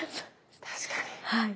確かに。